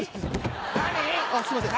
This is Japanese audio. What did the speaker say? ああすいません。